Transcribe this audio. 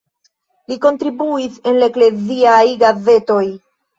Li kontribuis en la ekleziaj gazetoj.